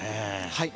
はい。